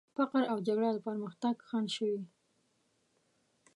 فقر او جګړه د پرمختګ خنډ شوي.